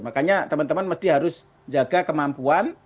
makanya teman teman mesti harus jaga kemampuan